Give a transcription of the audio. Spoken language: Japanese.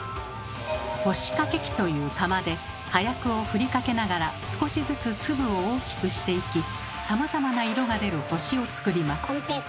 「星かけ機」という釜で火薬をふりかけながら少しずつ粒を大きくしていきさまざまな色が出る星を作ります。